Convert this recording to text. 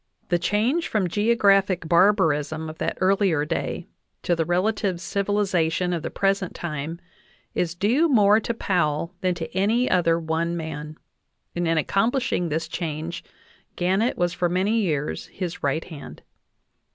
The change from geographic barbarism of that earlier day to the relative civili zation of the present time is due more to Powell than to any other one man, and in accomplishing this change Gannett was for many years his right hand.